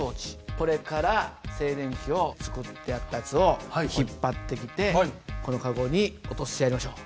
これから静電気を作ってやったやつを引っ張ってきてこのカゴに落としてやりましょう。